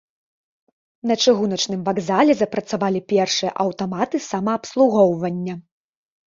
На чыгуначным вакзале запрацавалі першыя аўтаматы самаабслугоўвання.